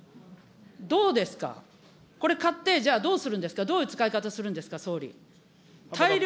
どうですか、これ、買って、じゃあどうするんですか、どういう使い方するんですか、総理。